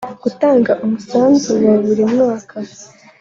gutanga umusanzu wa buri mwaka